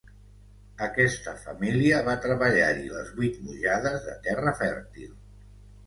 Aquesta família va treballar-hi les vuit mujades de terra fèrtil.